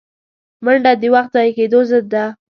منډه د وخت ضایع کېدو ضد ده